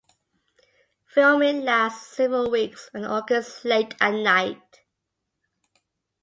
Filming lasts several weeks and occurs late at night.